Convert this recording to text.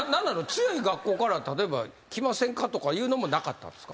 強い学校から例えば「来ませんか？」とかいうのもなかったんですか？